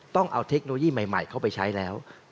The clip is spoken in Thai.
ต้องเอาเทคโนโลยีใหม่เข้าไปใช้แล้ว